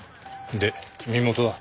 で身元は？